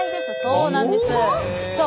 そうなんです。